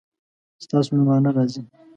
ستاسو میلمانه راځي؟